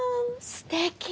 すてき！